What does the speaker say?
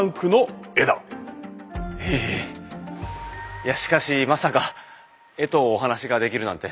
いやしかしまさか絵とお話ができるなんて。